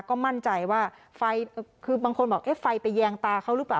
ก็มั่นใจว่าไฟคือบางคนบอกเอ๊ะไฟไปแยงตาเขาหรือเปล่า